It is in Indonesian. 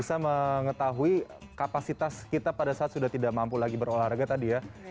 bisa mengetahui kapasitas kita pada saat sudah tidak mampu lagi berolahraga tadi ya